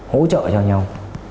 hỗ trợ cho nhau